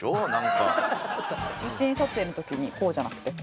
写真撮影の時にこうじゃなくてこう？